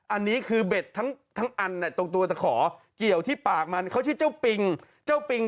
อันนี้คือเบ็ดทั้งทั้งอันเนี้ยตรงตัวตะขอเกี่ยวที่ปากมันเขาชื่อเจ้าปิง